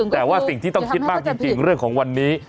แต่ว่าสิ่งที่ต้องคิดมากจริงเรื่องของวันนี้